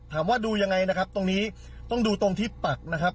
ถามว่าดูอย่างไรนะครับตรงนี้ต้องดูตรงที่ปักนะครับ